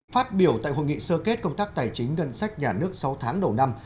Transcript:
phát biểu tại hội nghị sơ kết công tác tài chính ngân sách nhà nước sáu tháng đầu năm